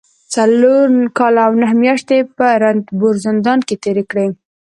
څلور کاله او نهه مياشتې په رنتنبور زندان کې تېرې کړي